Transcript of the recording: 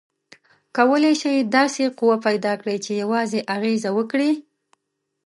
کولی شئ داسې قوه پیداکړئ چې یوازې اغیزه وکړي؟